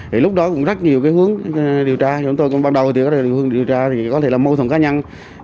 thì lúc đó cũng rất nhiều cái hướng điều tra chúng tôi cũng ban đầu thì có thể điều tra có thể là mâu thuẫn cá nhân